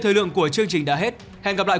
thời lượng của chương trình đã hết hẹn gặp lại